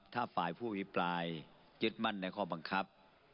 ถ้าฝ่ายผู้อภิปรายยึดมั่นในข้อบังคับ